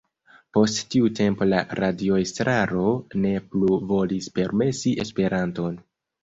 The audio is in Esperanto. Post tiu tempo la radio-estraro ne plu volis permesi Esperanton.